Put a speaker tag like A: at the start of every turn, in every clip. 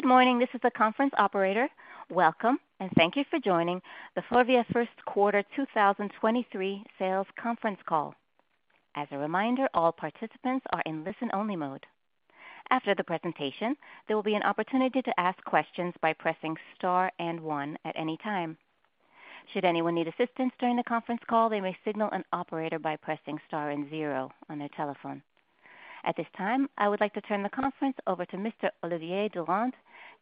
A: Good morning, this is the conference operator. Welcome, thank you for joining the Forvia first quarter 2023 sales conference call. As a reminder, all participants are in listen-only mode. After the presentation, there will be an opportunity to ask questions by pressing star and one at any time. Should anyone need assistance during the conference call, they may signal an operator by pressing star and zero on their telephone. At this time, I would like to turn the conference over to Mr. Olivier Durand,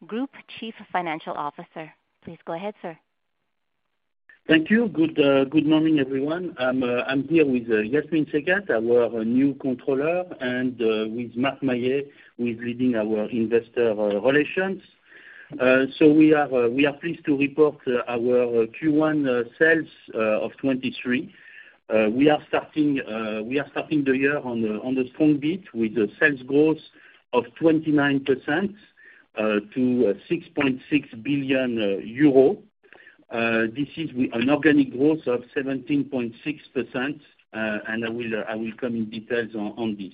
A: Group Chief Financial Officer. Please go ahead, sir.
B: Thank you. Good morning, everyone. I'm here with Yasmine Sekkat, our new controller, and with Marc Maillet, who is leading our investor relations. We are pleased to report our Q1 sales of 2023. We are starting the year on a strong beat with the sales growth of 29%, to 6.6 billion euro. This is an organic growth of 17.6%, and I will come in details on this.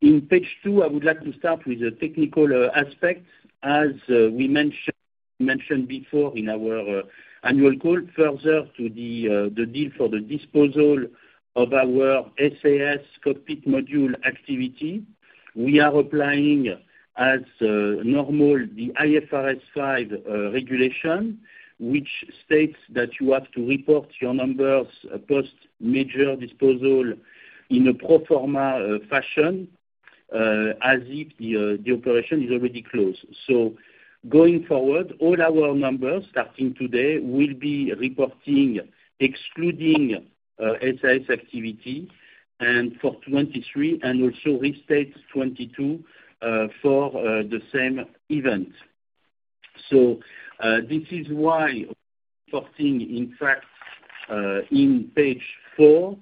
B: In page two, I would like to start with the technical aspect. As we mentioned before in our annual call, further to the deal for the disposal of our SAS cockpit module activity, we are applying as normal the IFRS 5 regulation, which states that you have to report your numbers post major disposal in a pro forma fashion, as if the operation is already closed. Going forward, all our numbers starting today will be reporting excluding SAS activity and for 23 and also restate 22 for the same event. This is why 14 in fact, in page 4,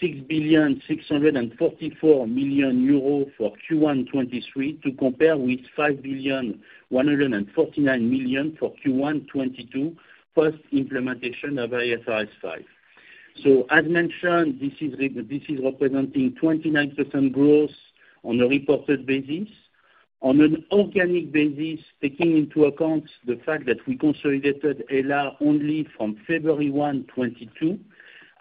B: 6 billion 644 million for Q1 23 to compare with 5 billion 149 million for Q1 22 post implementation of IFRS 5. As mentioned, this is representing 29% growth on a reported basis. On an organic basis, taking into account the fact that we consolidated HELLA only from February 1, 2022,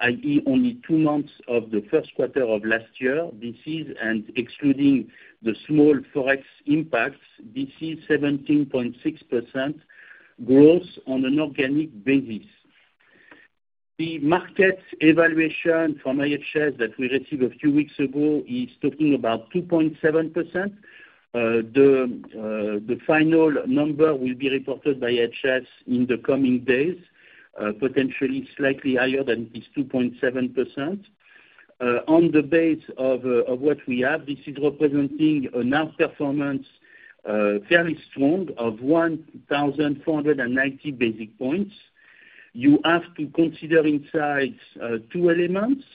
B: i.e. only two months of the first quarter of last year. This is, excluding the small Forex impacts, this is 17.6% growth on an organic basis. The final number will be reported by IHS in the coming days, potentially slightly higher than this 2.7%. On the base of what we have, this is representing an outperformance, fairly strong of 1,490 basic points. You have to consider inside two elements.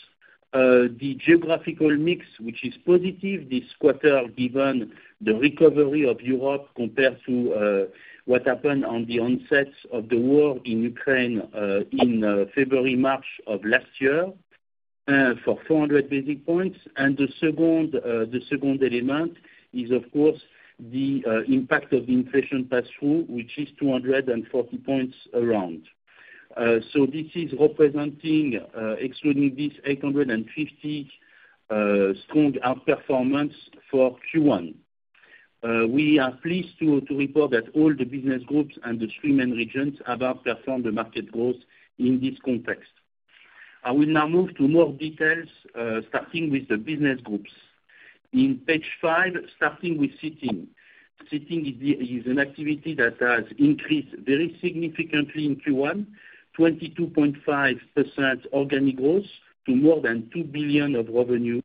B: The geographical mix, which is positive this quarter given the recovery of Europe compared to what happened on the onset of the war in Ukraine in February, March of last year, for 400 basis points. The second element is of course the impact of the inflation pass-through, which is 240 points around. This is representing, excluding this 850 strong outperformance for Q1. We are pleased to report that all the business groups and the three main regions have outperformed the market growth in this context. I will now move to more details, starting with the business groups. In page 5, starting with seating. Seating is the, is an activity that has increased very significantly in Q1, 22.5% organic growth to more than 2 billion of revenue.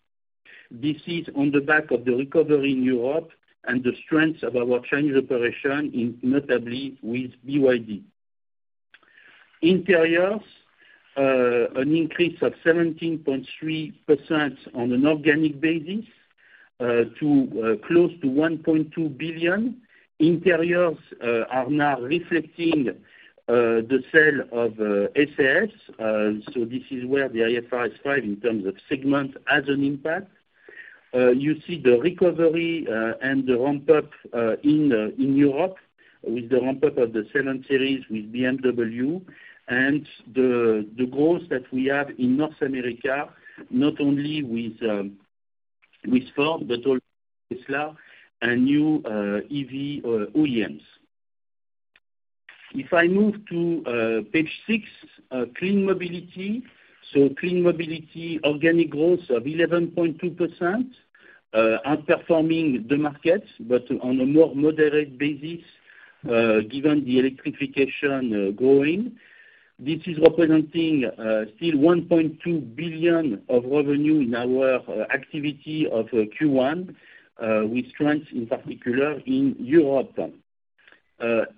B: This is on the back of the recovery in Europe and the strength of our Chinese operation in notably with BYD. Interiors, an increase of 17.3% on an organic basis, to close to 1.2 billion. Interiors are now reflecting the sale of SAS. This is where the IFRS 5 in terms of segment has an impact. You see the recovery and the ramp-up in Europe with the ramp-up of the 7 Series with BMW and the growth that we have in North America, not only with Ford but also Tesla and new EV OEMs. If I move to page 6, clean mobility. Clean mobility, organic growth of 11.2%, outperforming the market, but on a more moderate basis, given the electrification growing. This is representing still 1.2 billion of revenue in our activity of Q1, with strength in particular in Europe.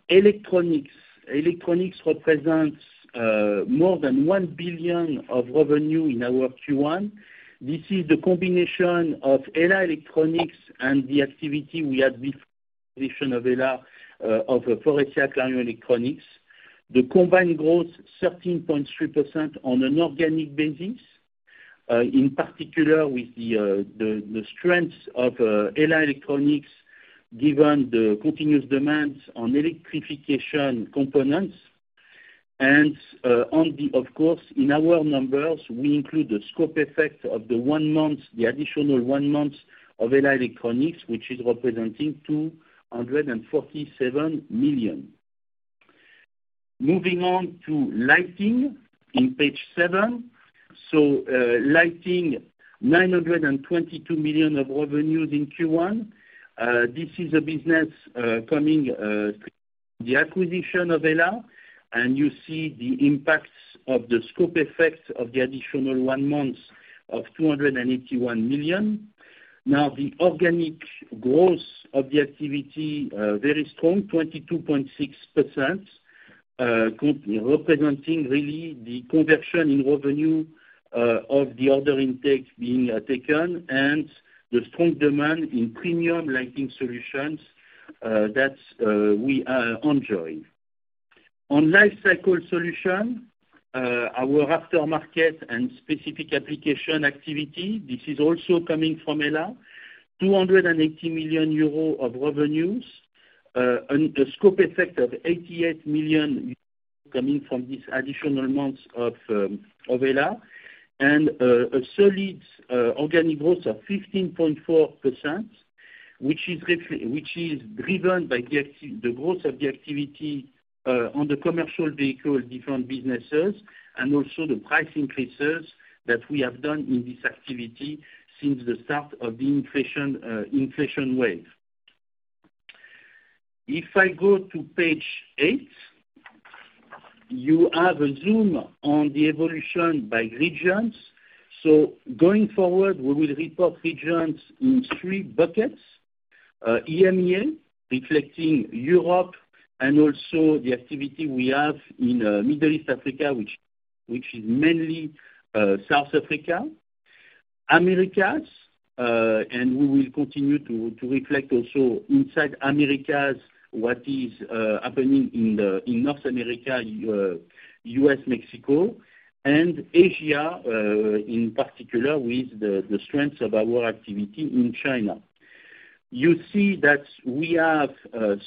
B: Electronics. Electronics represents more than 1 billion of revenue in our Q1. This is the combination of HELLA Electronics and the activity we had before acquisition of HELLA, of Faurecia Clarion Electronics. The combined growth 13.3% on an organic basis, in particular with the strength of HELLA Electronics given the continuous demands on electrification components. On the, of course, in our numbers, we include the scope effect of the one month, the additional one month of HELLA Electronics, which is representing 247 million. Moving on to lighting in page 7. Lighting, 922 million of revenues in Q1. This is a business coming the acquisition of HELLA, and you see the impacts of the scope effects of the additional one month of 281 million. The organic growth of the activity, very strong, 22.6%, representing really the conversion in revenue of the order intakes being taken and the strong demand in premium lighting solutions that we enjoy. On lifecycle solution, our aftermarket and specific application activity. This is also coming from HELLA. 280 million euros of revenues, and the scope effect of 88 million euros coming from this additional months of ELI. A solid organic growth of 15.4%, which is driven by the growth of the activity on the commercial vehicle different businesses, and also the price increases that we have done in this activity since the start of the inflation inflation wave. If I go to page 8, you have a zoom on the evolution by regions. Going forward, we will report regions in 3 buckets. EMEA, reflecting Europe and also the activity we have in Middle East Africa, which is mainly South Africa. Americas, we will continue to reflect also inside Americas what is happening in North America, US, Mexico. Asia, in particular with the strength of our activity in China. You see that we have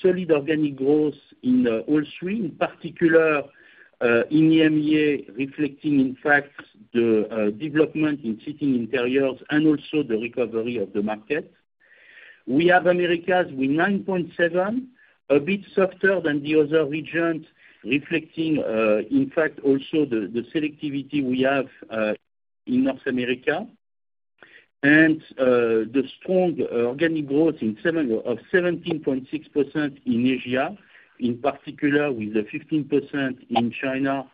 B: solid organic growth in all three, in particular, in EMEA, reflecting in fact the development in seating interiors and also the recovery of the market. We have Americas with 9.7%, a bit softer than the other regions, reflecting in fact also the selectivity we have in North America. The strong organic growth of 17.6% in Asia, in particular with the 15% in China,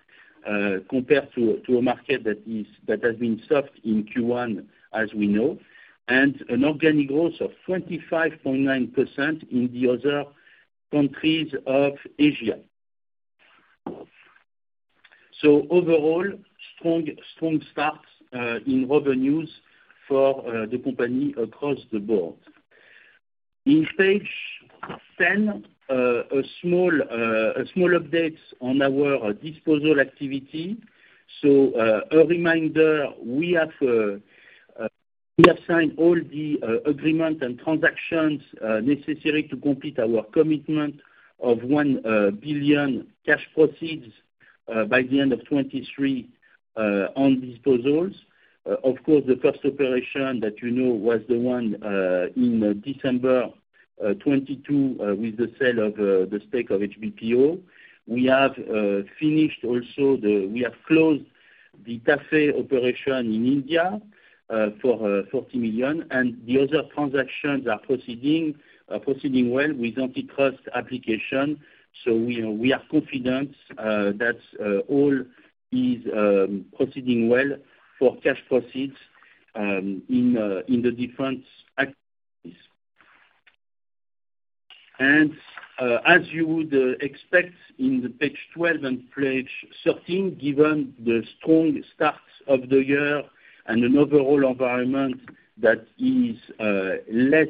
B: compared to a market that is, that has been soft in Q1 as we know, and an organic growth of 25.9% in the other countries of Asia. Overall, strong start in revenues for the company across the board. In page 10, a small update on our disposal activity. A reminder, we have signed all the agreement and transactions necessary to complete our commitment of 1 billion cash proceeds by the end of 2023 on disposals. Of course, the first operation that you know was the one in December 2022 with the sale of the stake of HBPO. We have finished also, we have closed the TAFE operation in India for 40 million, and the other transactions are proceeding well with antitrust application. We are confident that all is proceeding well for cash proceeds in the different activities. As you would expect in the page 12 and page 13, given the strong starts of the year and an overall environment that is less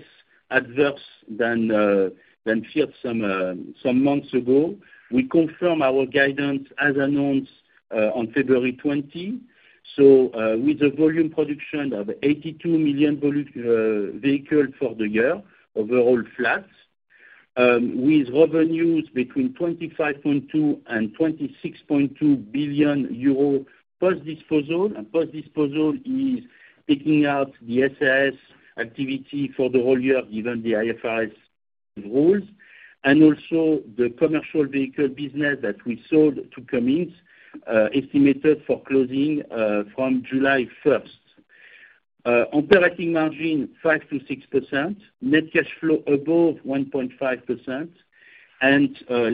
B: adverse than feared some months ago, we confirm our guidance as announced on February 20. With the volume production of 82 million vehicle for the year, overall flats, with revenues between 25.2 billion and 26.2 billion euro post-disposal. Post-disposal is taking out the SAS activity for the whole year, given the IFRS rules, and also the commercial vehicle business that we sold to Cummins, estimated for closing from July 1st. Operating margin, 5%-6%. Net cash flow above 1.5%.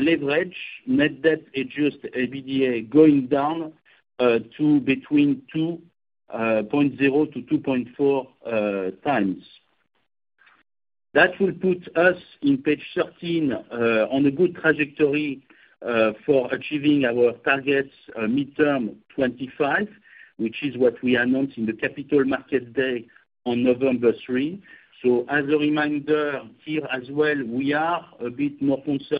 B: Leverage, net debt Adjusted EBITDA going down to between 2.0-2.4 times. That will put us in page 13 on a good trajectory for achieving our targets midterm 2025, which is what we announced in the Capital Markets Day on November 3. As a reminder here as well, we are a bit more concerned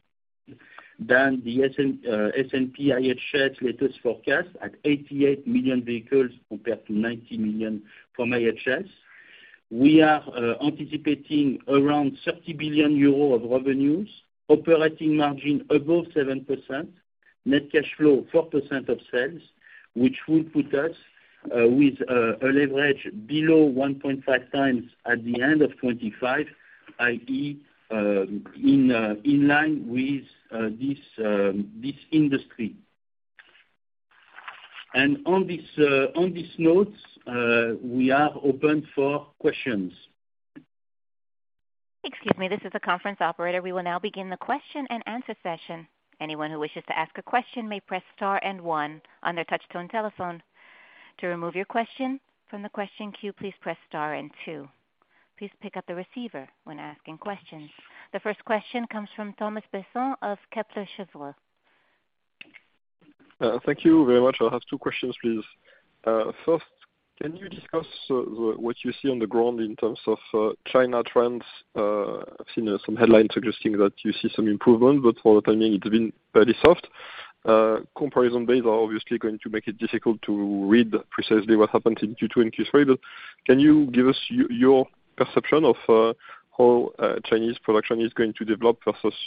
B: than the S&P IHS latest forecast at 88 million vehicles compared to 90 million from IHS. We are anticipating around 30 billion euros of revenues, operating margin above 7%, net cash flow 4% of sales, which will put us with a leverage below 1.5 times at the end of 2025, i.e., in line with this industry. On this note, we are open for questions.
A: Excuse me, this is the conference operator. We will now begin the question and answer session. Anyone who wishes to ask a question may press star 1 on their touch tone telephone. To remove your question from the question queue, please press star 2. Please pick up the receiver when asking questions. The 1st question comes from Thomas Besson of Kepler Cheuvreux.
C: Thank you very much. I have two questions, please. First, can you discuss what you see on the ground in terms of China trends? I've seen some headlines suggesting that you see some improvement, but for the time being it's been pretty soft. Comparison base are obviously going to make it difficult to read precisely what happened in Q2 and Q3. Can you give us your perception of how Chinese production is going to develop versus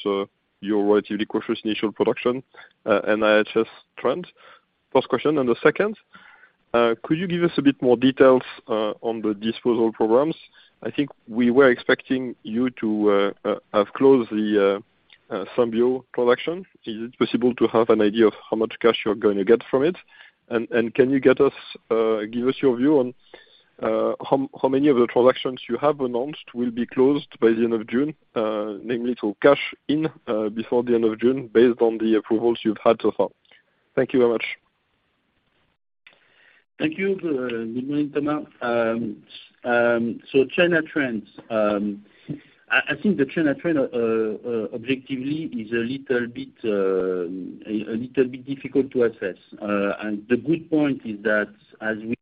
C: your relatively cautious initial production and IHS trends? First question. The second, could you give us a bit more details on the disposal programs? I think we were expecting you to have closed the Symbio production. Is it possible to have an idea of how much cash you're going to get from it? Can you get us, give us your view on how many of the transactions you have announced will be closed by the end of June, namely to cash in before the end of June based on the approvals you've had so far? Thank you very much.
B: Thank you. Good morning, Thomas. China trends. I think the China trend objectively is a little bit difficult to assess. The good point is that as we,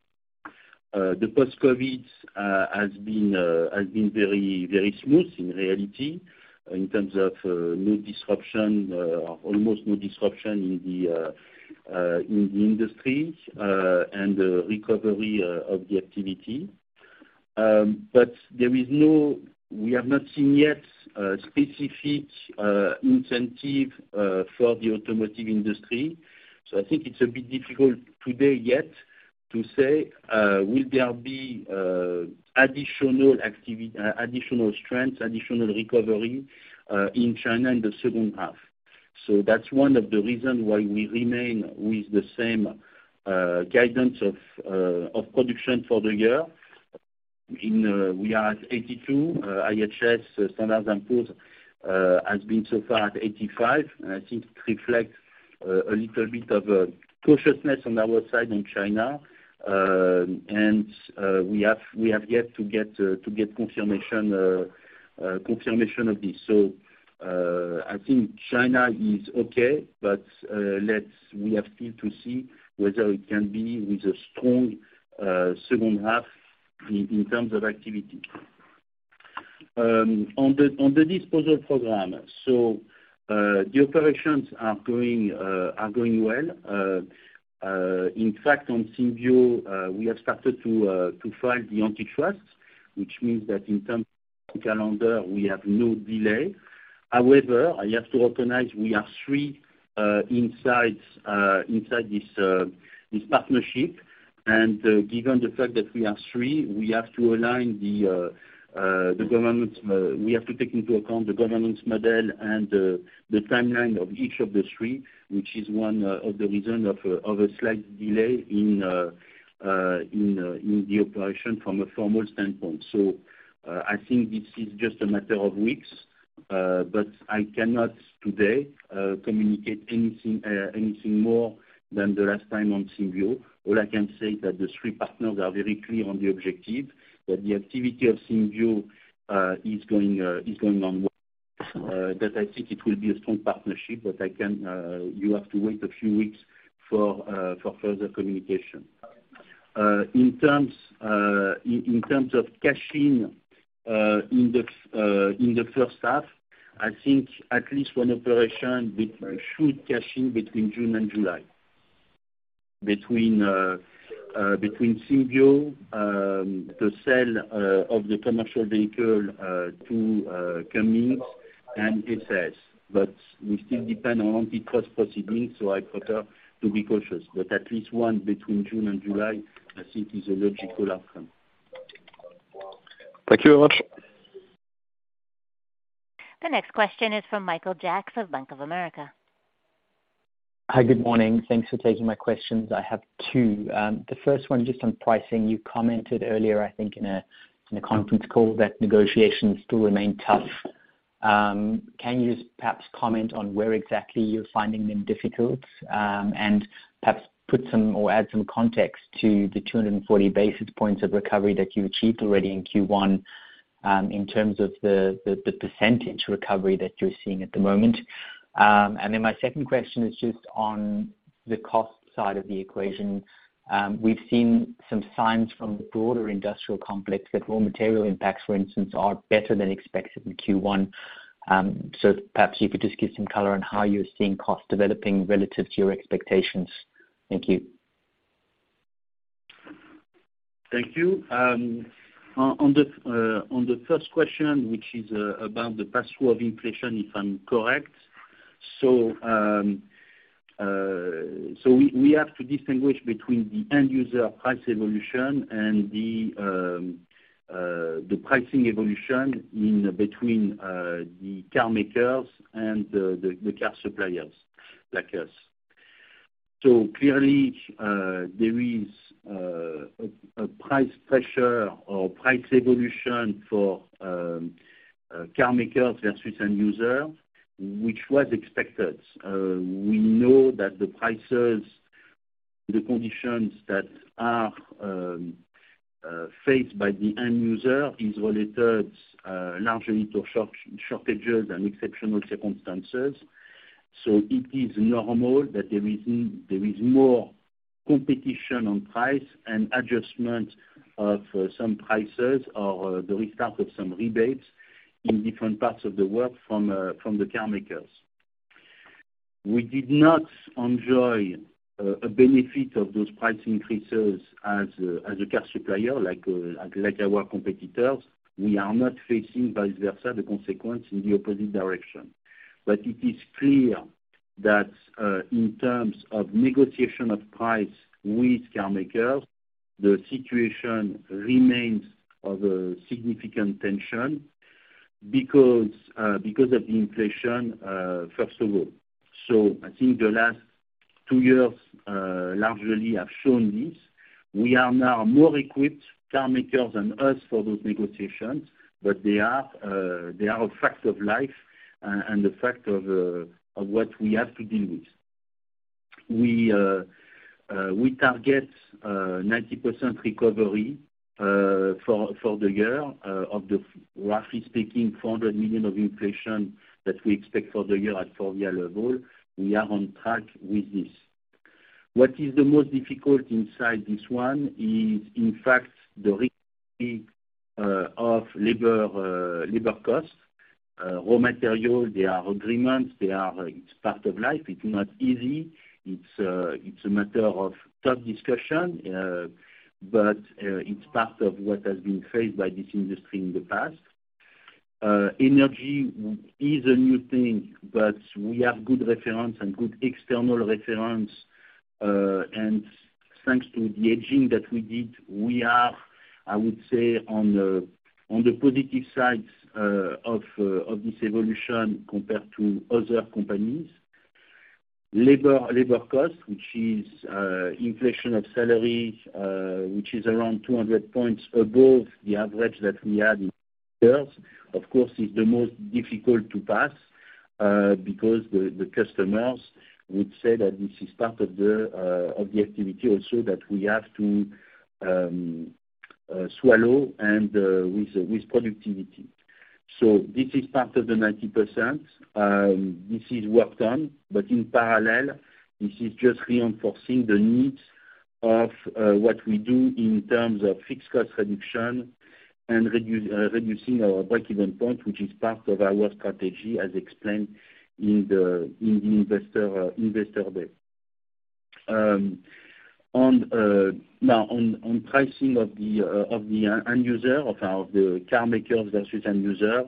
B: the post-COVID has been very, very smooth in reality, in terms of no disruption, almost no disruption in the industry, and the recovery of the activity. We have not seen yet a specific incentive for the automotive industry. I think it's a bit difficult today yet to say, will there be additional strength, additional recovery in China in the second half. That's one of the reason why we remain with the same guidance of production for the year. We are at 82, IHS standards include, has been so far at 85. I think it reflects a little bit of a cautiousness on our side in China. We have yet to get confirmation of this. I think China is okay, we have still to see whether it can be with a strong second half in terms of activity. On the disposal program. The operations are going well. In fact, on Symbio, we have started to file the antitrust, which means that in terms of calendar, we have no delay. However, I have to recognize we are three insides inside this partnership. Given the fact that we are three, we have to align the governance. We have to take into account the governance model and the timeline of each of the three, which is one of the reason of a slight delay in the operation from a formal standpoint. I think this is just a matter of weeks. I cannot today communicate anything more than the last time on Symbio. All I can say is that the three partners are very clear on the objective, that the activity of Symbio is going on well. That I think it will be a strong partnership, but I can, you have to wait a few weeks for further communication. In terms, in terms of cashing, in the first half, I think at least one operation should cash in between June and July. Between Symbio, the sale of the commercial vehicle, to Cummins and SAS. We still depend on antitrust proceedings, so I prefer to be cautious. At least one between June and July, I think is a logical outcome.
C: Thank you very much.
A: The next question is from Michael Jacks of Bank of America.
D: Hi, good morning. Thanks for taking my questions. I have two. The first one just on pricing. You commented earlier, I think in a conference call, that negotiations still remain tough. Can you just perhaps comment on where exactly you're finding them difficult? And perhaps put some or add some context to the 240 basis points of recovery that you achieved already in Q1, in terms of the percentage recovery that you're seeing at the moment. My second question is just on the cost side of the equation. We've seen some signs from the broader industrial complex that raw material impacts, for instance, are better than expected in Q1. Perhaps you could just give some color on how you're seeing costs developing relative to your expectations. Thank you.
B: Thank you. On, on the on the first question, which is about the pass-through of inflation, if I'm correct. We have to distinguish between the end user price evolution and the pricing evolution in between the car makers and the car suppliers like us. Clearly, there is a price pressure or price evolution for car makers versus end user, which was expected. We know that the prices, the conditions that are faced by the end user is related largely to shortages and exceptional circumstances. It is normal that there is more competition on price and adjustment of some prices or the restart of some rebates in different parts of the world from the car makers. We did not enjoy a benefit of those price increases as as a car supplier like like our competitors. We are not facing vice versa the consequence in the opposite direction. It is clear that in terms of negotiation of price with car makers, the situation remains of a significant tension because because of the inflation first of all. I think the last two years largely have shown this. We are now more equipped car makers than us for those negotiations, but they are a fact of life and the fact of what we have to deal with. We target 90% recovery for for the year of the roughly speaking, 400 million of inflation that we expect for the year at Faurecia level. We are on track with this. What is the most difficult inside this one is in fact the of labor costs, raw material, there are agreements, it's part of life. It's not easy. It's a matter of tough discussion, but it's part of what has been faced by this industry in the past. Energy is a new thing, but we have good reference and good external reference. Thanks to the hedging that we did, we are, I would say, on the positive side of this evolution compared to other companies. Labor costs, which is inflation of salaries, which is around 200 points above the average that we had in. Of course, is the most difficult to pass, because the customers would say that this is part of the activity also that we have to swallow and with productivity. This is part of the 90%. This is worked on, but in parallel, this is just reinforcing the needs of what we do in terms of fixed cost reduction and reducing our break-even point, which is part of our strategy as explained in investor day. Now on pricing of the end user of the car makers versus end user,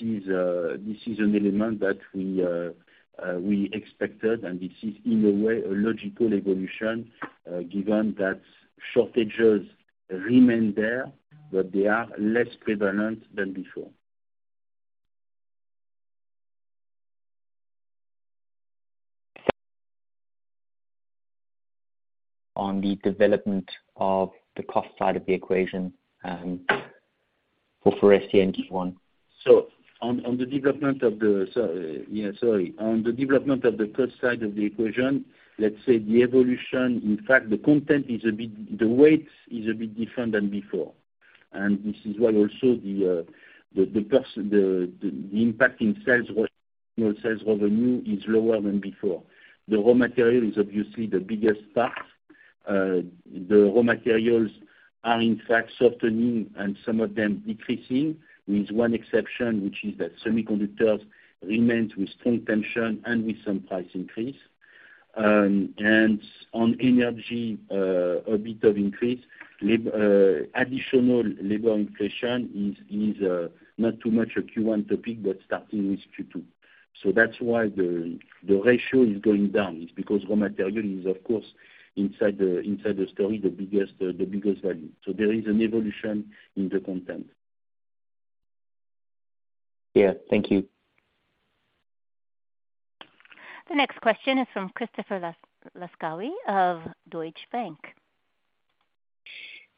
B: this is an element that we expected, and this is in a way a logical evolution, given that shortages remain there, but they are less prevalent than before.
D: On the development of the cost side of the equation, for ST in Q1.
B: On the development of the... Yeah, sorry. On the development of the cost side of the equation, let's say the evolution, in fact, the content is a bit, the weight is a bit different than before. This is why also the cost, the impact in sales, you know, sales revenue is lower than before. The raw material is obviously the biggest part. The raw materials are in fact softening and some of them decreasing, with one exception, which is that semiconductors remains with strong tension and with some price increase. On energy, a bit of increase. Additional labor inflation is not too much a Q1 topic, but starting with Q2. That's why the ratio is going down, is because raw material is of course inside the story, the biggest value. There is an evolution in the content.
D: Yeah. Thank you.
A: The next question is from Christoph Laskawi of Deutsche Bank.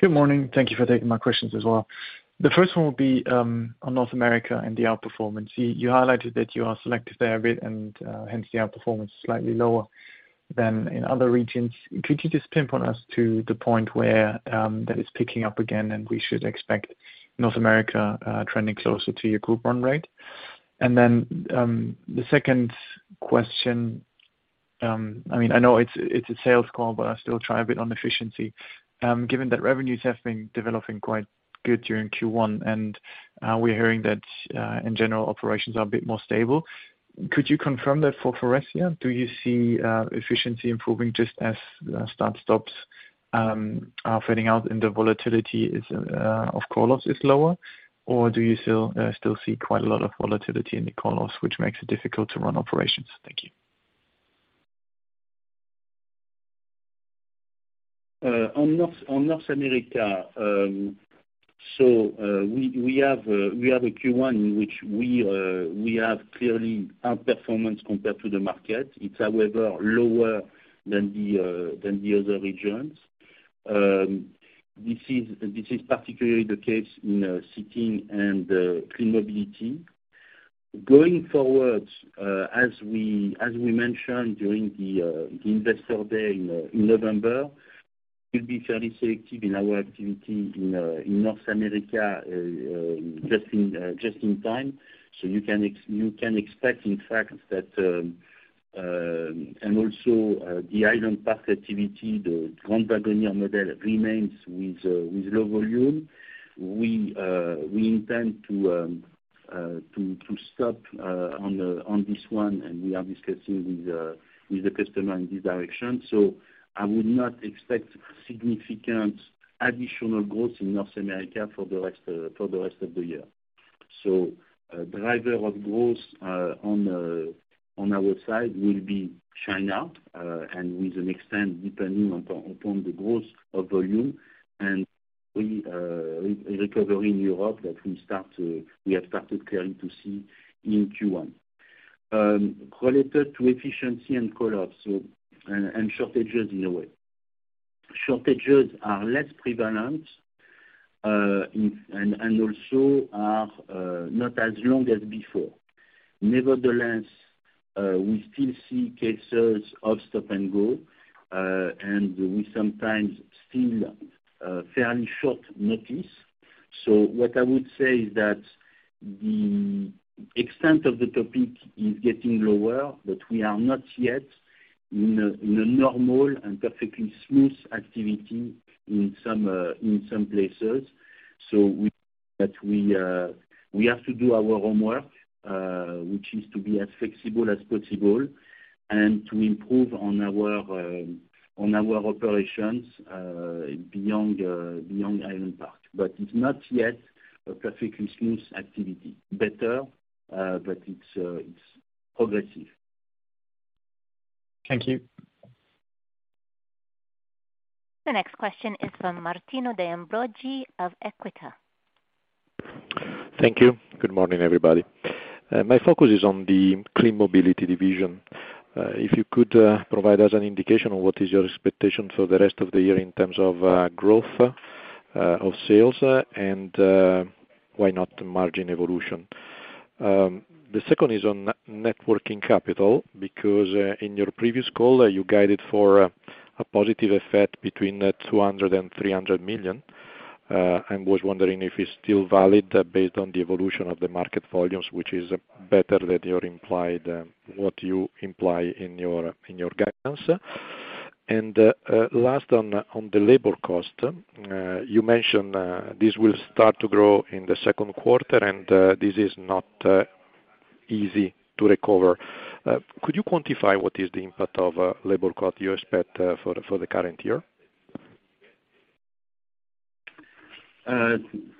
E: Good morning. Thank you for taking my questions as well. The first one will be, on North America and the outperformance. You highlighted that you are selective there a bit and, hence the outperformance is slightly lower than in other regions. Could you just pinpoint us to the point where, that is picking up again and we should expect North America, trending closer to your group run rate? The second question, I mean, I know it's a sales call, but I'll still try a bit on efficiency. Given that revenues have been developing quite good during Q1, and, we're hearing that, in general, operations are a bit more stable? Could you confirm that for Faurecia? Do you see efficiency improving just as the start stops are fading out and the volatility is of call-offs is lower, or do you still see quite a lot of volatility in the call-offs which makes it difficult to run operations? Thank you.
B: On North America, we have a Q1 in which we have clearly out-performance compared to the market. It's however lower than the other regions. This is particularly the case in seating and clean mobility. Going forward, as we mentioned during the investor day in November, we'll be fairly selective in our activity in North America, just in time. You can expect in fact that and also the Highland Park activity, the Grand Wagoneer model remains with low volume. We intend to stop on this one, and we are discussing with the customer in this direction. I would not expect significant additional growth in North America for the rest for the rest of the year. Driver of growth on our side will be China. And with an extent depending upon the growth of volume, and we re-recovery in Europe that we have started clearly to see in Q1. Related to efficiency and call-offs, and shortages in a way. Shortages are less prevalent in, and also are not as long as before. Nevertheless, we still see cases of stop and go, and we sometimes still fairly short notice. What I would say is that the extent of the topic is getting lower, but we are not yet in a normal and perfectly smooth activity in some places. We, but we have to do our homework, which is to be as flexible as possible and to improve on our, on our operations, beyond Highland Park. It's not yet a perfectly smooth activity. Better, it's progressive.
E: Thank you.
A: The next question is from Martino De Ambroggi from Equita
F: Thank you. Good morning, everybody. My focus is on the Clean Mobility Division. If you could provide us an indication on what is your expectation for the rest of the year in terms of growth of sales and why not margin evolution. The second is on networking capital, because in your previous call you guided for a positive effect between 200 million and 300 million, and was wondering if it's still valid based on the evolution of the market volumes, which is better that you're implied what you imply in your guidance. Last on the labor cost. You mentioned this will start to grow in the second quarter and this is not easy to recover. Could you quantify what is the impact of labor cost you expect for the current year?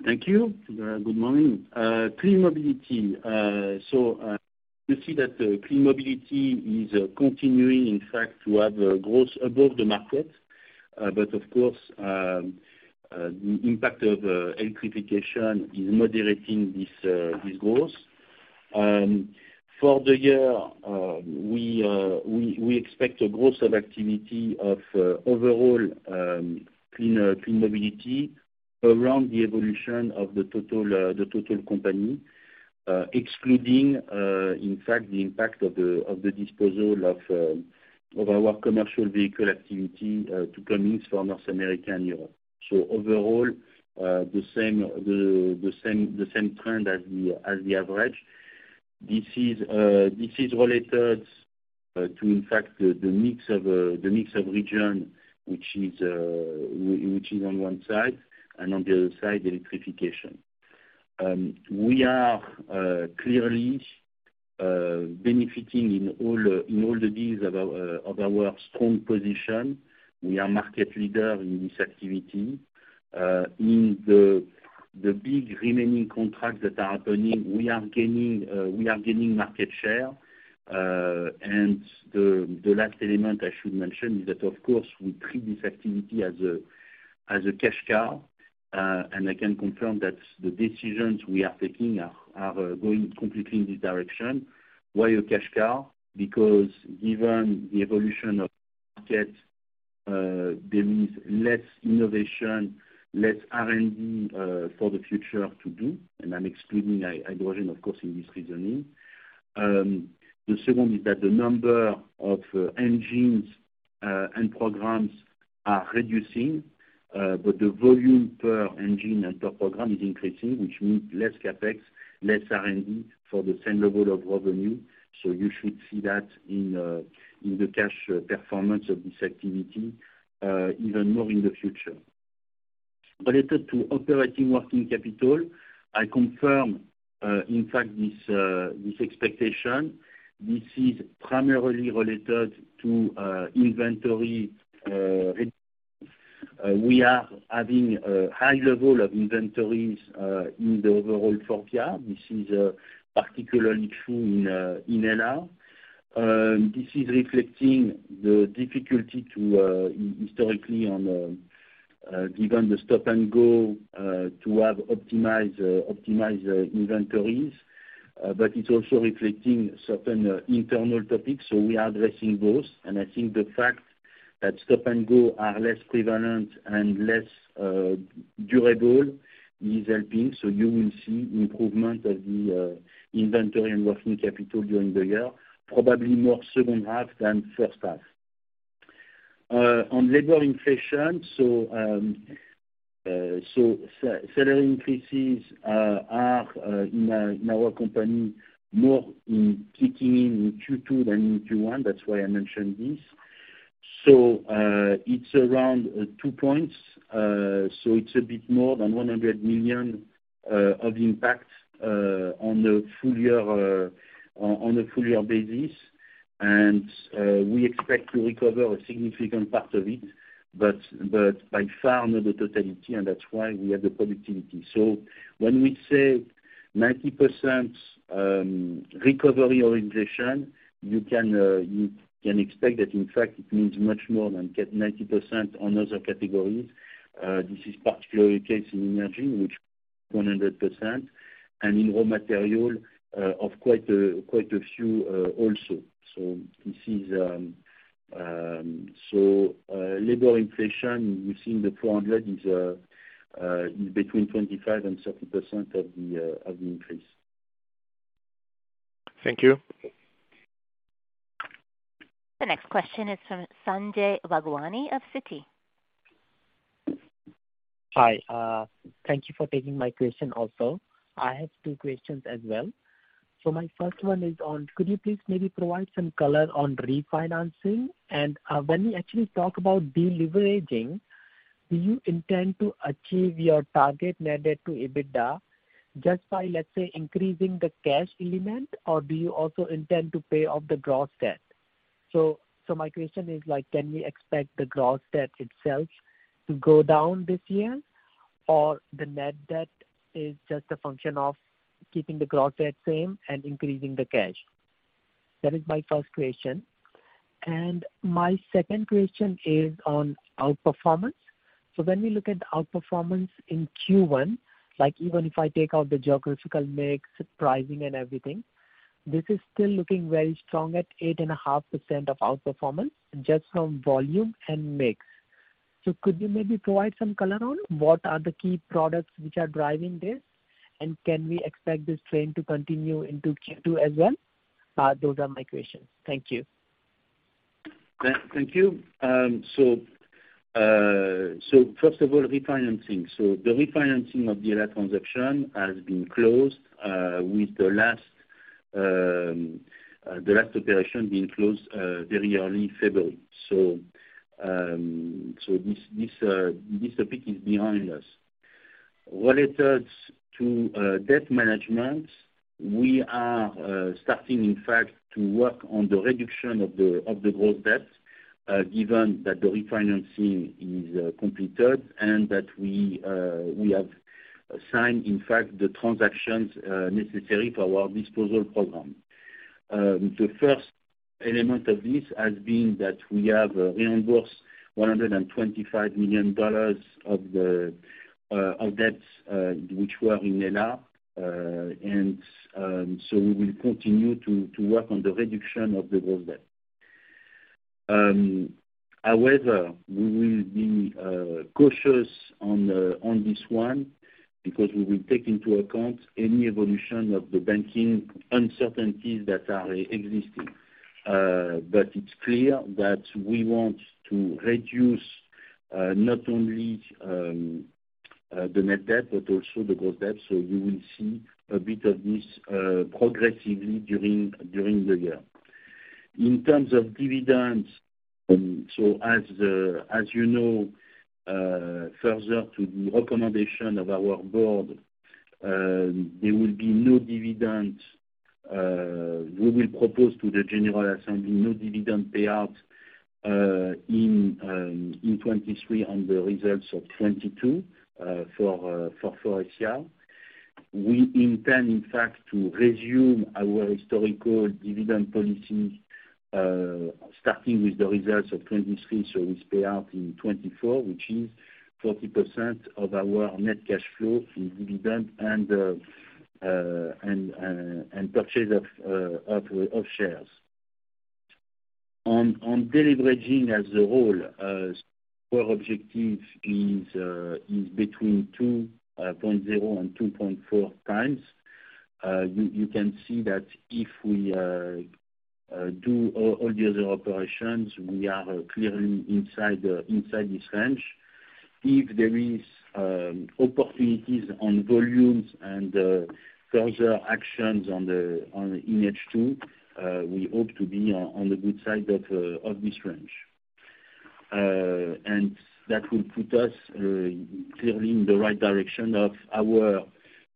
B: Thank you. Good morning. Clean mobility. You see that clean mobility is continuing, in fact, to have growth above the market. Of course, the impact of electrification is moderating this growth. For the year, we expect a growth of activity of overall clean mobility around the evolution of the total company. Excluding, in fact, the impact of the disposal of our commercial vehicle activity to Cummins for North America and Europe. Overall, the same trend as we have reached. This is related to in fact the mix of region, which is on one side, and on the other side, electrification. We are clearly benefiting in all the deals of our strong position. We are market leader in this activity. In the big remaining contracts that are happening, we are gaining market share. The last element I should mention is that of course, we treat this activity as a cash cow, and I can confirm that the decisions we are taking are going completely in this direction. Why a cash cow? Given the evolution of the market, there is less innovation, less R&D for the future to do, and I'm excluding hydrogen, of course, in this reasoning. The second is that the number of engines and programs are reducing, the volume per engine and per program is increasing, which means less CapEx, less R&D for the same level of revenue. You should see that in the cash performance of this activity even more in the future. Related to operating working capital, I confirm in fact this expectation. This is primarily related to inventory, we are having a high level of inventories in the overall FORVIA. This is particularly true in LR. This is reflecting the difficulty to historically on given the stop and go to have optimized inventories. It's also reflecting certain internal topics, so we are addressing those. I think the fact that stop and go are less prevalent and less durable is helping. You will see improvement of the inventory and working capital during the year, probably more second half than first half. On labor inflation, salary increases are in our company more in kicking in in Q2 than in Q1. That's why I mentioned this. It's around 2 points. It's a bit more than 100 million of impact on the full year on a full year basis. We expect to recover a significant part of it, but by far not the totality, and that's why we have the productivity. When we say 90% recovery orientation, you can expect that in fact it means much more than get 90% on other categories. This is particularly the case in energy, which 100% and in raw material of quite a few also. This is, so, labor inflation, we've seen the 400 is between 25% and 30% of the increase.
F: Thank you.
A: The next question is from Sanjay Bhagwani of Citi.
G: Hi, thank you for taking my question also. I have two questions as well. My first one is on could you please maybe provide some color on refinancing? When we actually talk about deleveraging, do you intend to achieve your target net debt to EBITDA just by, let's say, increasing the cash element? Do you also intend to pay off the gross debt? My question is like, can we expect the gross debt itself to go down this year, or the net debt is just a function of keeping the gross debt same and increasing the cash? That is my first question. My second question is on outperformance. When we look at outperformance in Q1, like even if I take out the geographical mix, pricing and everything, this is still looking very strong at 8.5% of outperformance just from volume and mix. Could you maybe provide some color on what are the key products which are driving this? Can we expect this trend to continue into Q2 as well? Those are my questions. Thank you.
B: Thank you. First of all, refinancing. The refinancing of the transaction has been closed with the last, the last operation being closed very early February. This topic is behind us. Related to debt management, we are starting, in fact to work on the reduction of the gross debt, given that the refinancing is completed and that we have signed in fact the transactions necessary for our disposal program. The first element of this has been that we have reimbursed $125 million of the debts which were in LR. We will continue to work on the reduction of the gross debt. However, we will be cautious on this one because we will take into account any evolution of the banking uncertainties that are existing. It's clear that we want to reduce not only the net debt but also the gross debt. You will see a bit of this progressively during the year. In terms of dividends, as you know, further to the recommendation of our board, there will be no dividend. We will propose to the general assembly no dividend payout in 2023 on the results of 2022 for ACR. We intend, in fact, to resume our historical dividend policy starting with the results of 2023. It's payout in 2024, which is 40% of our net cash flow from dividend and purchase of shares. On deleveraging as a whole, core objective is between 2.0 and 2.4 times. You can see that if we do all the other operations, we are clearly inside this range. If there is opportunities on volumes and further actions on in H2, we hope to be on the good side of this range. That will put us clearly in the right direction of our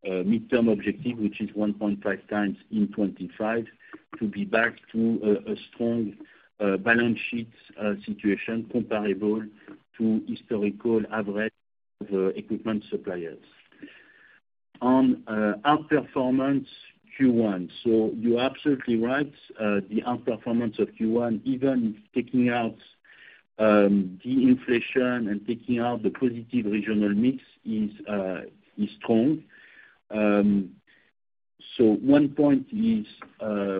B: midterm objective, which is 1.5 times in 2025, to be back to a strong balance sheet situation comparable to historical average of equipment suppliers. On outperformance Q1. You're absolutely right. The outperformance of Q1, even taking out the inflation and taking out the positive regional mix is strong. One point is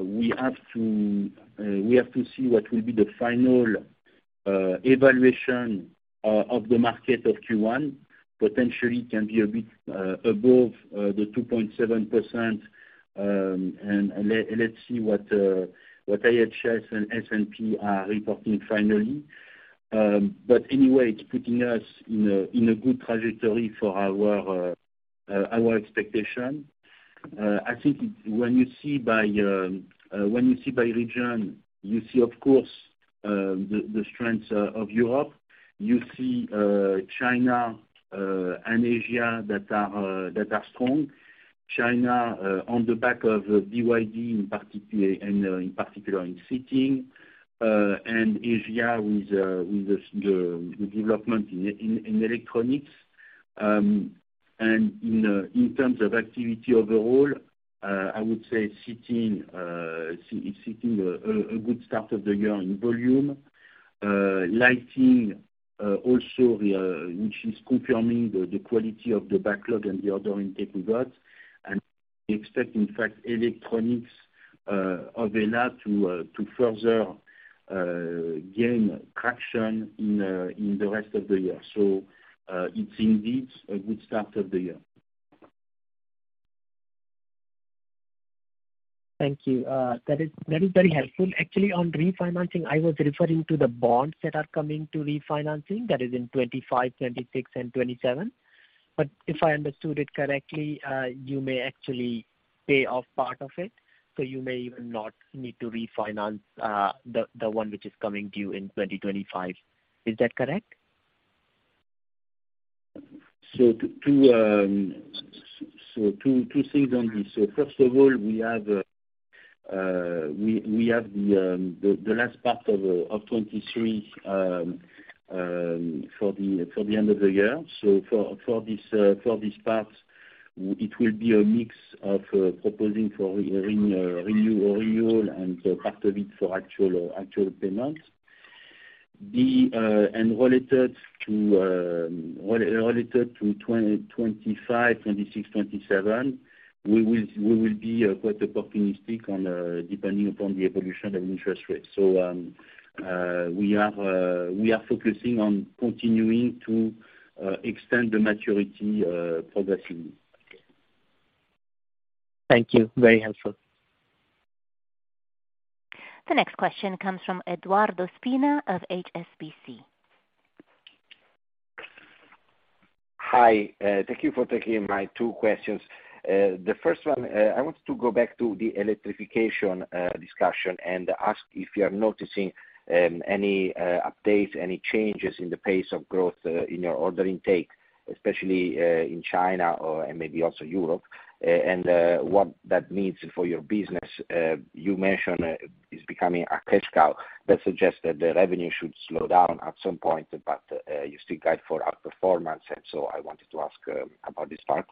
B: we have to we have to see what will be the final evaluation of the market of Q1. Potentially can be a bit above the 2.7%, and let's see what IHS and S&P are reporting finally. Anyway, it's putting us in a good trajectory for our expectation. I think it's when you see by region, you see, of course, the strengths of Europe. You see China and Asia that are strong. China, on the back of BYD, in particular, in particular in seating. Asia with the development in electronics. In terms of activity overall, I would say seating is seating a good start of the year in volume. Lighting also we, which is confirming the quality of the backlog and the order intake we got. We expect, in fact, electronics of HELLA to further gain traction in the rest of the year. It's indeed a good start of the year.
G: Thank you. That is very helpful. Actually, on refinancing, I was referring to the bonds that are coming to refinancing, that is in 2025, 2026 and 2027. If I understood it correctly, you may actually pay off part of it. You may even not need to refinance the one which is coming due in 2025. Is that correct?
B: Two, two things on this. First of all, we have the last part of 23 for the end of the year. For this part, it will be a mix of proposing for renew or renewal and part of it for actual payments. Related to 2025, 2026, 2027, we will be quite opportunistic on depending upon the evolution of interest rates. We are focusing on continuing to extend the maturity progressively.
G: Thank you, very helpful.
A: The next question comes from Edoardo Spina of HSBC.
H: Hi, thank you for taking my two questions. The first one, I wanted to go back to the electrification discussion and ask if you are noticing any updates, any changes in the pace of growth in your order intake, especially in China or, and maybe also Europe, and what that means for your business. You mentioned it's becoming a cash cow that suggests that the revenue should slow down at some point, but you still guide for outperformance. So I wanted to ask about this part?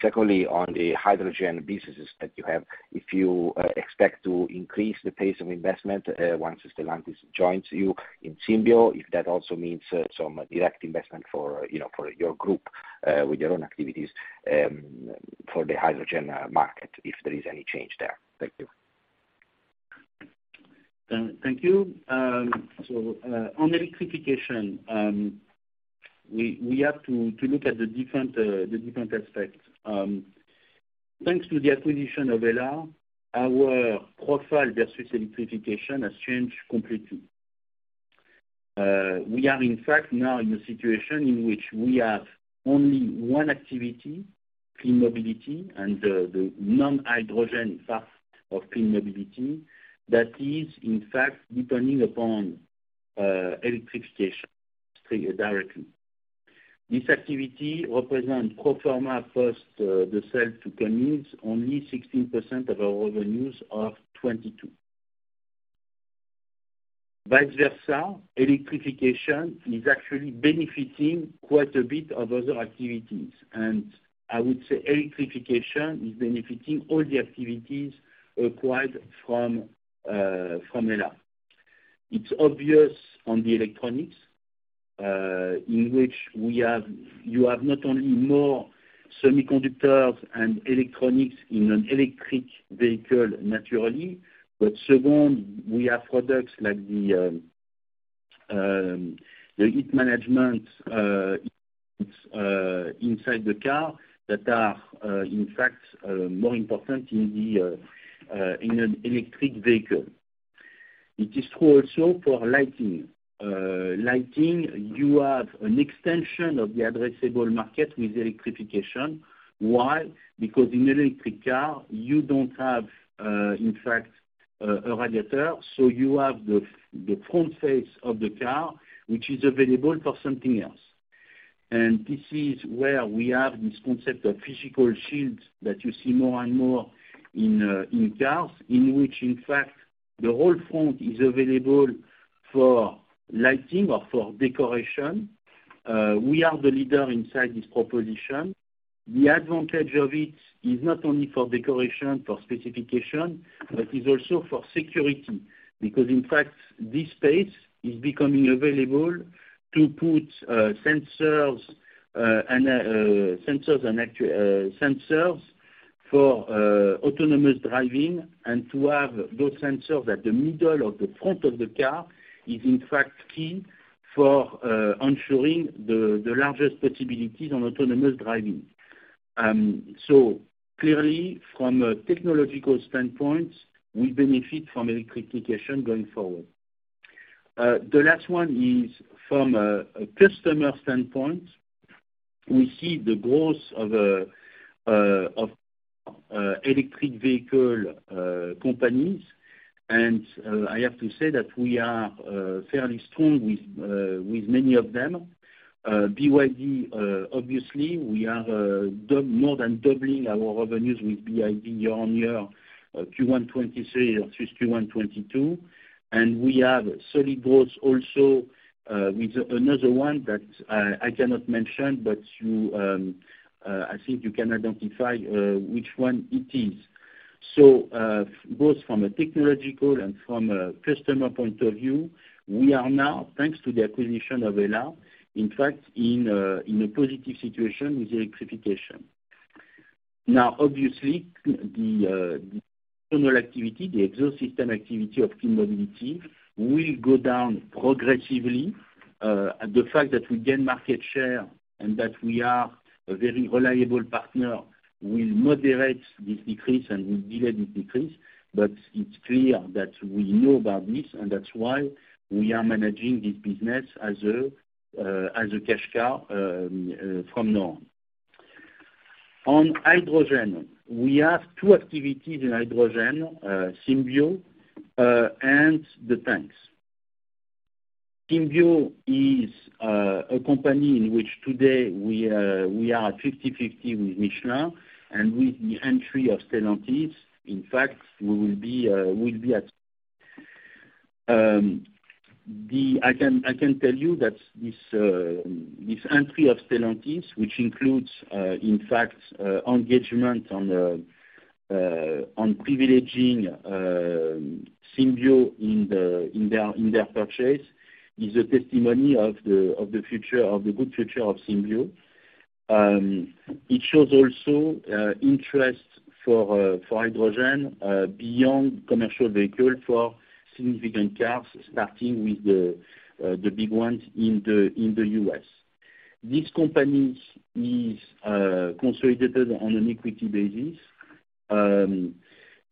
H: Secondly, on the hydrogen businesses that you have, if you expect to increase the pace of investment once Stellantis joins you in Symbio, if that also means some direct investment for, you know, for your group, with your own activities, for the hydrogen market, if there is any change there. Thank you.
B: Thank you. On electrification, we have to look at the different aspects. Thanks to the acquisition of HELLA, our profile versus electrification has changed completely. We are in fact now in a situation in which we have only one activity, clean mobility, and the non-hydrogen part of clean mobility that is in fact depending upon electrification directly. This activity represent pro forma post the sale to Cummins only 16% of our revenues of 2022. Vice versa, electrification is actually benefiting quite a bit of other activities. I would say electrification is benefiting all the activities acquired from HELLA. It's obvious on the electronics, uh, in which we have-- you have not only more semiconductors and electronics in an electric vehicle naturally, but second, we have products like the, um, um, the heat management, uh, it's, uh, inside the car that are, uh, in fact, uh, more important in the, uh, uh, in an electric vehicle. It is true also for lighting. Uh, lighting, you have an extension of the addressable market with electrification. Why? Because in an electric car, you don't have, uh, in fact-Uh, a radiator, so you have the, the front face of the car, which is available for something else. And this is where we have this concept of physical shields that you see more and more in, uh, in cars, in which in fact, the whole front is available for lighting or for decoration. Uh, we are the leader inside this proposition. The advantage of it is not only for decoration, for specification, but is also for security. Because in fact, this space is becoming available to put sensors, and sensors for autonomous driving. To have those sensors at the middle of the front of the car is in fact key for ensuring the largest possibilities on autonomous driving. Clearly from a technological standpoint, we benefit from electrification going forward. The last one is from a customer standpoint, we see the growth of electric vehicle companies. I have to say that we are fairly strong with many of them. BYD, obviously, we are more than doubling our revenues with BYD year on year, Q1 '23 versus Q1 '22. We have solid growth also with another one that I cannot mention, but you I think you can identify which one it is. Both from a technological and from a customer point of view, we are now, thanks to the acquisition of HELLA, in fact in a positive situation with electrification. Now obviously, the internal activity, the exhaust system activity of clean mobility will go down progressively. The fact that we gain market share and that we are a very reliable partner will moderate this decrease and will delay this decrease. It's clear that we know about this, and that's why we are managing this business as a cash cow from now on. On hydrogen, we have two activities in hydrogen, Symbio and the tanks. Symbio is a company in which today we are at 50/50 with Michelin. With the entry of Stellantis, in fact, we'll be at. I can tell you that this entry of Stellantis, which includes, in fact, engagement on privileging Symbio in their purchase, is a testimony of the future, of the good future of Symbio. It shows also interest for hydrogen beyond commercial vehicle, for significant cars, starting with the big ones in the U.S. This company is consolidated on an equity basis.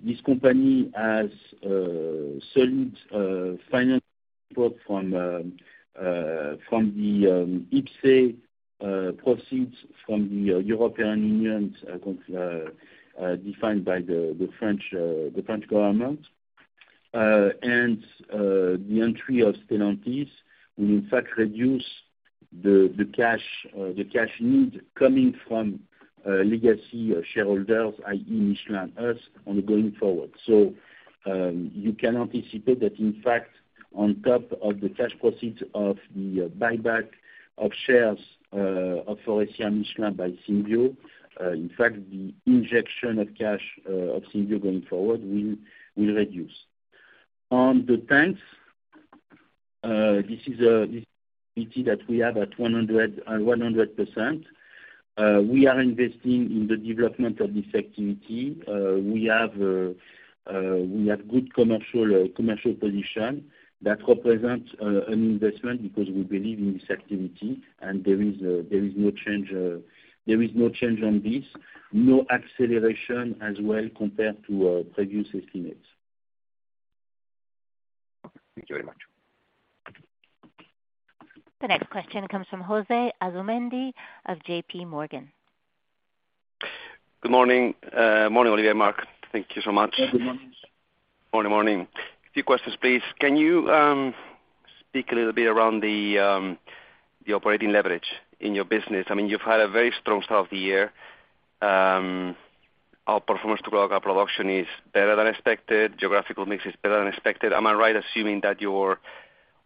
B: This company has solid financial support from the IPCEI proceeds from the European Union defined by the French government. The entry of Stellantis will in fact reduce the cash need coming from legacy shareholders, i.e. Michelin, us, going forward. You can anticipate that in fact on top of the cash proceeds of the buyback of shares of Faurecia Michelin by Symbio, in fact the injection of cash of Symbio going forward will reduce. On the tanks, this is this activity that we have at 100%. We are investing in the development of this activity. We have good commercial position that represents an investment because we believe in this activity and there is no change on this. No acceleration as well compared to previous estimates.
H: Okay. Thank you very much.
A: The next question comes from Jose Asumendi of J.P. Morgan.
I: Good morning. Morning, Olivier, Marc. Thank you so much.
B: Good morning.
I: Morning, morning. A few questions, please. Can you speak a little bit around the operating leverage in your business? I mean, you've had a very strong start of the year. Our performance throughout our production is better than expected. Geographical mix is better than expected. Am I right assuming that your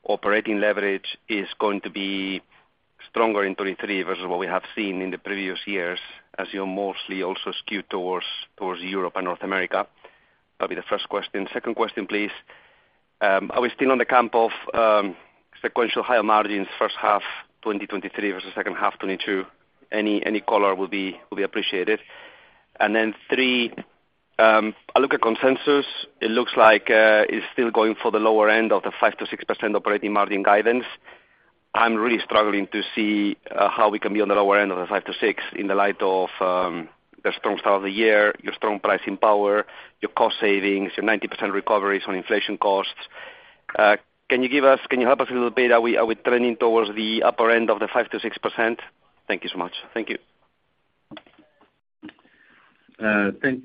I: operating leverage is going to be stronger in 2023 versus what we have seen in the previous years, as you mostly also skew towards Europe and North America? That'll be the first question. Second question, please. Are we still on the camp of sequential higher margins first half 2023 versus second half 2022? Any color will be appreciated. Three, I look at consensus. It looks like it's still going for the lower end of the 5%-6% operating margin guidance. I'm really struggling to see how we can be on the lower end of the 5%-6% in the light of the strong start of the year, your strong pricing power, your cost savings, your 90% recoveries on inflation costs. Can you give us, can you help us a little bit? Are we trending towards the upper end of the 5%-6%? Thank you so much. Thank you.
B: Thank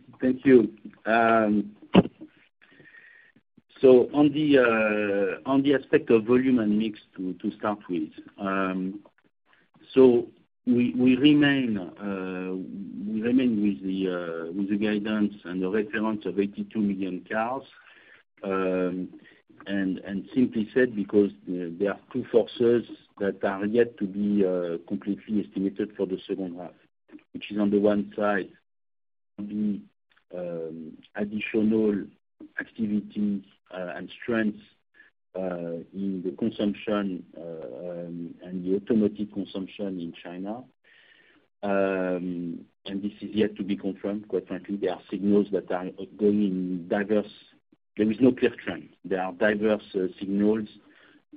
B: you. On the aspect of volume and mix to start with. We remain with the guidance and the reference of 82 million cars. Simply said, because, you know, there are two forces that are yet to be completely estimated for the second half. Which is on the one side, the additional activities and strengths in the consumption and the automotive consumption in China. This is yet to be confirmed, quite frankly, there are signals that are ongoing diverse. There is no clear trend. There are diverse signals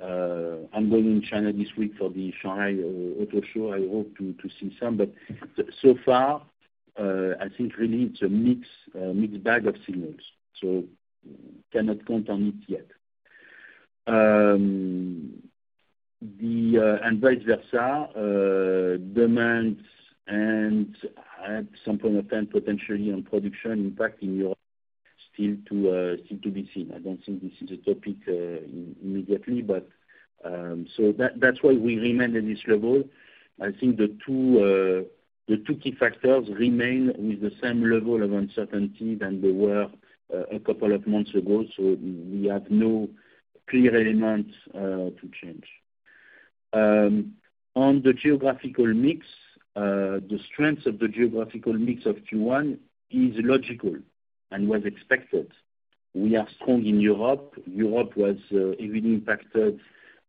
B: ongoing in China this week for the Shanghai Auto Show. I hope to see some. So far, I think really it's a mixed mixed bag of signals. Cannot count on it yet. The and vice versa, demands and at some point in time, potentially on production impact in Europe still to still to be seen. I don't think this is a topic immediately, but that's why we remained at this level. I think the two the two key factors remain with the same level of uncertainty than they were a couple of months ago, so we have no clear elements to change. On the geographical mix, the strengths of the geographical mix of Q1 is logical and was expected. We are strong in Europe. Europe was even impacted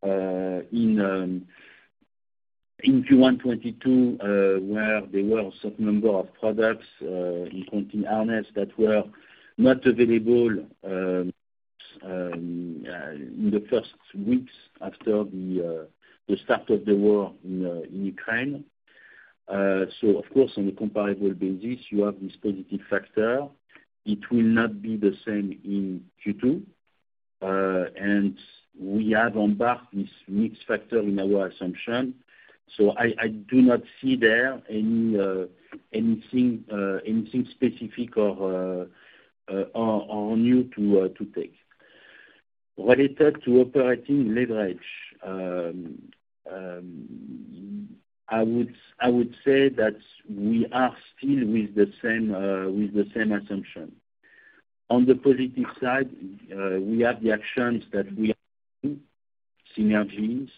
B: in Q1 2022, where there were a certain number of products, including RNS that were not available in the first weeks after the start of the war in Ukraine. Of course, on a comparable basis, you have this positive factor. It will not be the same in Q2. We have on board this mix factor in our assumption. I do not see there any anything specific or new to take. Related to operating leverage, I would say that we are still with the same assumption. On the positive side, we have the actions that we are doing, synergies,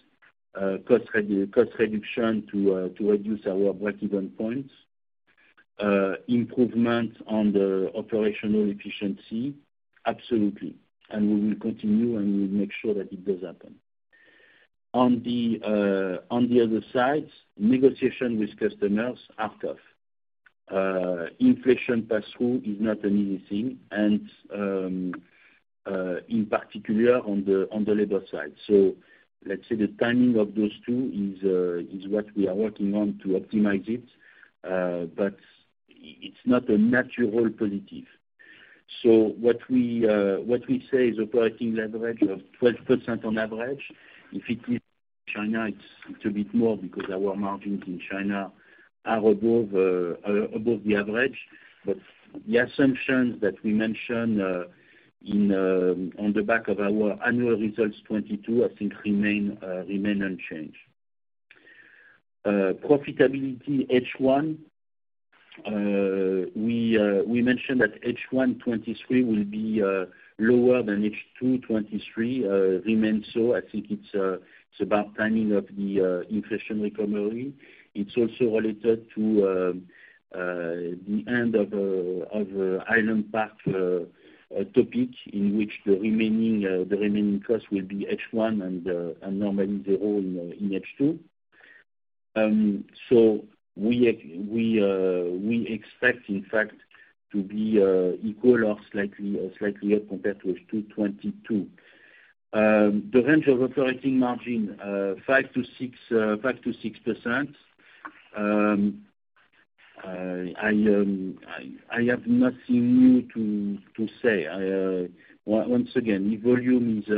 B: cost reduction to reduce our break-even points. Improvement on the operational efficiency, absolutely. We will continue, and we'll make sure that it does happen. On the other side, negotiation with customers are tough. Inflation pass-through is not an easy thing and in particular on the labor side. Let's say the timing of those two is what we are working on to optimize it. It's not a natural positive. What we say is operating leverage of 12% on average. If it is China, it's a bit more because our margins in China are above the average. The assumptions that we mentioned in on the back of our annual results 2022, I think remain unchanged. Profitability H1, we mentioned that H1 2023 will be lower than H2 2023. Remains so. I think it's about timing of the inflation recovery. It's also related to the end of Highland Park topic, in which the remaining cost will be H1 and normally zero in H2. We expect in fact to be equal or slightly up compared to H2 2022. The range of operating margin, 5%-6%. I have nothing new to say. Once again, if volume is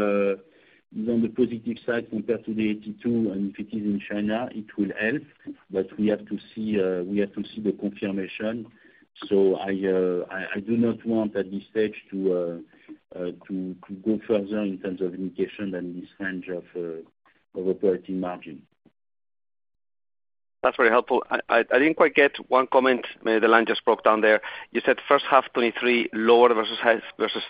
B: on the positive side compared to the 82, and if it is in China, it will help. We have to see, we have to see the confirmation. I do not want at this stage to go further in terms of indication than this range of operating margin.
I: That's very helpful. I didn't quite get one comment. Maybe the line just broke down there. You said first half 2023 lower versus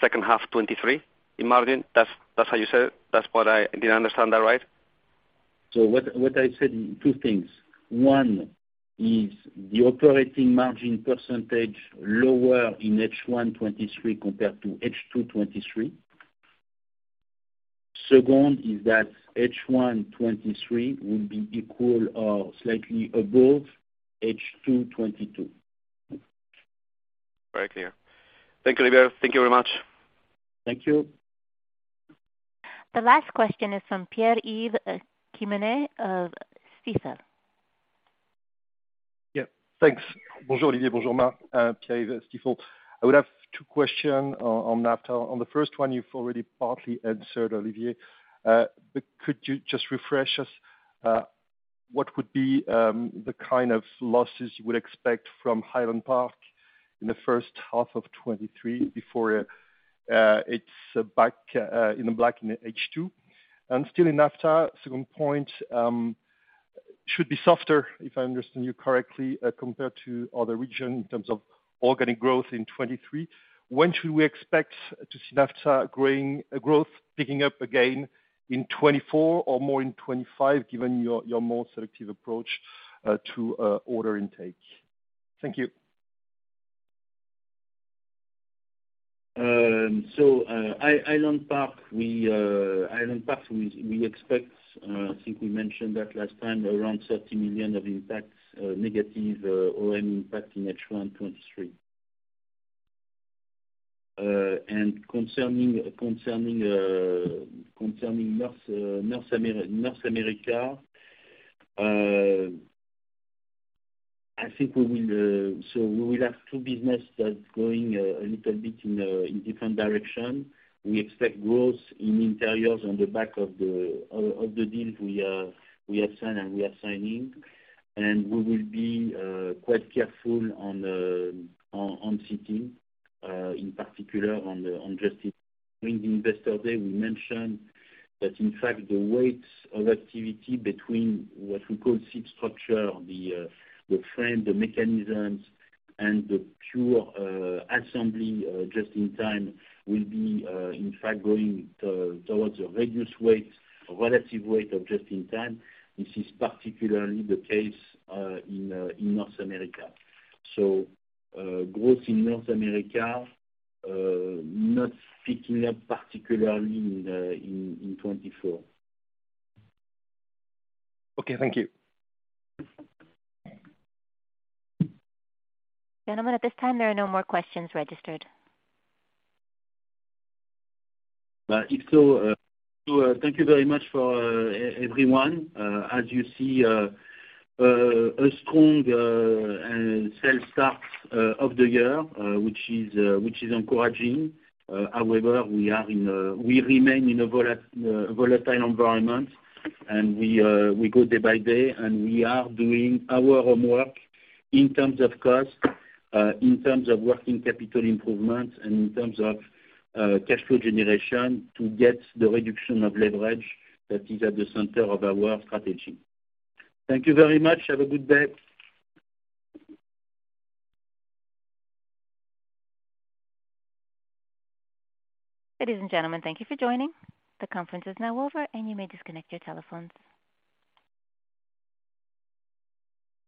I: second half 2023 in margin? That's how you said it? Did I understand that right?
B: what I said, two things. One is the operating margin % lower in H1 2023 compared to H2 2023. Second is that H1 2023 will be equal or slightly above H2 2022.
I: Very clear. Thank you, Olivier. Thank you very much.
B: Thank you.
A: The last question is from Pierre-Yves Quemener of Stifel.
J: Yeah, thanks. Bonjour, Olivier. Bonjour, Marc. Pierre-Yves, Stifel. I would have twoTwo question on NAFTA. On the first one, you've already partly answered, Olivier. Could you just refresh us, what would be the kind of losses you would expect from Highland Park in the first half of 2023 before it's back in the black in the H2? Still in NAFTA, second point, should be softer, if I understand you correctly, compared to other region in terms of organic growth in 2023. When should we expect to see NAFTA growth picking up again, in 2024 or more in 2025, given your more selective approach to order intake? Thank you.
B: Highland Park, we expect, I think we mentioned that last time, around 30 million of impact, negative OM impact in H1 2023. Concerning North America, I think we will have two business that's growing a little bit in different direction. We expect growth in interiors on the back of the deals we have signed and we are signing. We will be quite careful on seating, in particular on just the investor day we mentioned that in fact the weights of activity between what we call seat structure or the frame, the mechanisms, and the pure assembly just in time will be in fact going towards a reduced weight, a relative weight of just in time. This is particularly the case in North America. Growth in North America not picking up particularly in 2024.
K: Okay, thank you.
A: Gentlemen, at this time, there are no more questions registered.
B: If so, thank you very much for everyone. As you see, a strong sales start of the year, which is encouraging. However, we remain in a volatile environment and we go day by day and we are doing our homework in terms of cost, in terms of working capital improvement, and in terms of cash flow generation to get the reduction of leverage that is at the center of our strategy. Thank you very much. Have a good day.
A: Ladies and gentlemen, thank you for joining. The conference is now over and you may disconnect your telephones.